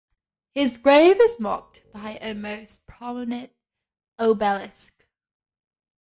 His grave is marked by a most prominent obelisk.